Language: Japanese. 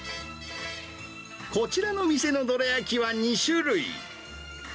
こちらの店のどら焼きは２種類。